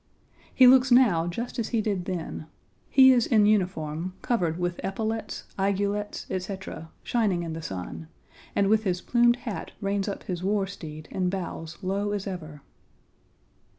He looks now just as he did then. He is in uniform, covered with epaulettes, aigulettes, etc., shining in the sun, and with his plumed hat reins up his war steed and bows low as ever.